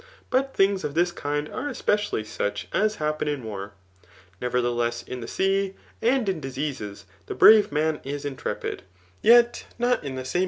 But things of this kind are especially such at happen in war* Nevertheless in the sea, and in diseascib^ the brave man is intrepid i yet not in the same mMatt